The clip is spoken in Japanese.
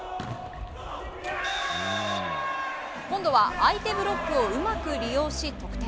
今度は相手ブロックをうまく利用し得点。